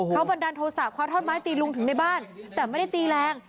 เขาบันดาลโทษะคว้าท่อนไม้ตีลุงถึงในบ้านแต่ไม่ได้ตีแรง